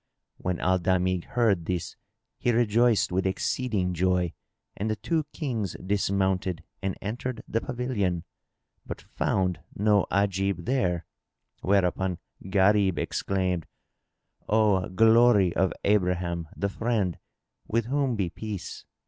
When Al Damigh heard this he rejoiced with exceeding joy and the two kings dismounted and entered the pavilion, but found no Ajib there; whereupon Gharib exclaimed, "O glory of Abraham, the Friend (with whom be peace!)